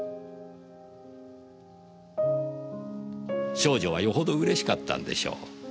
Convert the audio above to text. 少女はよほどうれしかったんでしょう。